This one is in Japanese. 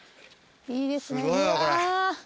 いいですねうわ。